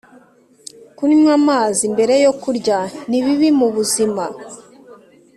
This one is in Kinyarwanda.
Kunywa amazi mbere yo kurya nibibi mubuzima